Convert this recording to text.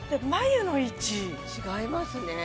眉の位置違いますね